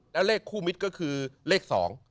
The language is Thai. แล้วเลขคู่มิตรก็คือเลข๒